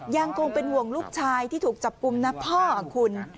ยังคงเป็นห่วงลูกชายที่ถูกจับกลุ่มนะพ่อคุณ